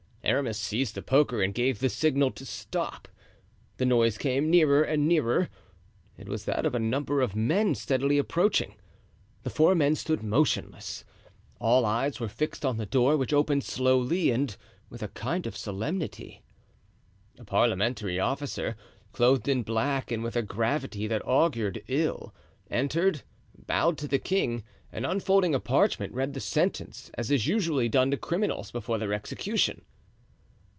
Aramis seized the poker and gave the signal to stop; the noise came nearer and nearer. It was that of a number of men steadily approaching. The four men stood motionless. All eyes were fixed on the door, which opened slowly and with a kind of solemnity. A parliamentary officer, clothed in black and with a gravity that augured ill, entered, bowed to the king, and unfolding a parchment, read the sentence, as is usually done to criminals before their execution.